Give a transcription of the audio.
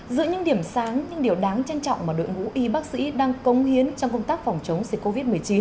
giữa những điểm sáng những điều đáng trân trọng mà đội ngũ y bác sĩ đang cống hiến trong công tác phòng chống covid một mươi chín